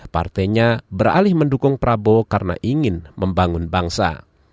partainya beralih mendukung prabowo karena ingin membangun bangsa